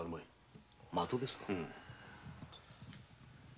的ですか？